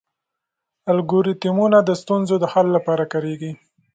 الګوریتمونه د ستونزو حل لپاره کارېږي.